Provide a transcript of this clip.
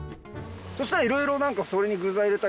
そしたらいろいろそれに。